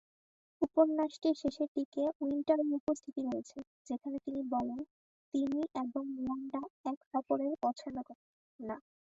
উপন্যাসটির শেষের দিকে উইন্টারের উপস্থিতি রয়েছে, যেখানে তিনি বলেন, তিনি এবং মিরান্ডা একে অপরকে পছন্দ করেন না।